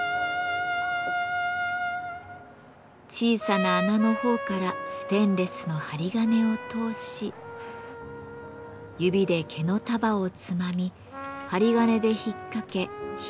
小さな穴のほうからステンレスの針金を通し指で毛の束をつまみ針金で引っかけ引っ張って留める。